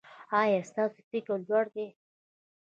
ایا ستاسو فکر لوړ دی؟